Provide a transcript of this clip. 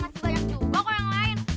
masih banyak juga kok yang lain